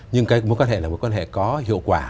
nhưng mối quan hệ này là mối quan hệ có hiệu quả